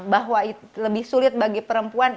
bahwa lebih sulit bagi perempuan